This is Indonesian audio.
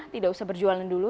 tidak usah berjualan dulu